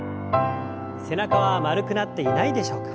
背中は丸くなっていないでしょうか。